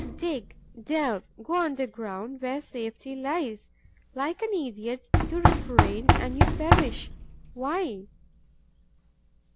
Dig, delve, go underground, where safety lies. Like an idiot, you refrain; and you perish. Why?